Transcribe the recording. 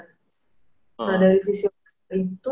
nah dari fisioprenan itu